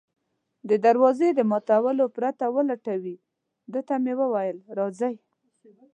د دروازې د ماتولو پرته ولټوي، ده ته مې وویل: راځئ.